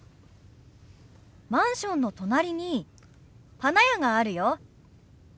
マンションの隣に花屋があるよ。